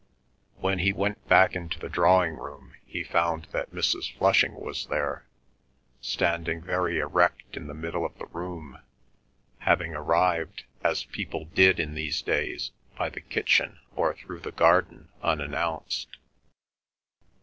When he went back into the drawing room he found that Mrs. Flushing was there, standing very erect in the middle of the room, having arrived, as people did in these days, by the kitchen or through the garden unannounced.